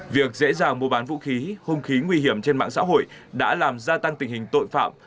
việc dễ dàng mua bán vũ khí hung khí nguy hiểm trên mạng xã hội đã làm gia tăng tình hình tội phạm